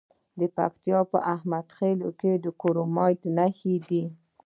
د پکتیا په احمد خیل کې د کرومایټ نښې شته.